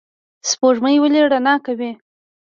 سپوږمۍ ولې رڼا ورکوي؟